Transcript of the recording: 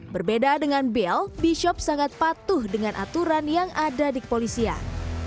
berbeda dengan bill b shop sangat patuh dengan aturan yang ada di kepolisian